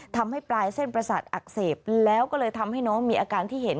ทำให้ปลายเส้นประสาทอักเสบแล้วก็เลยทำให้น้องมีอาการที่เห็น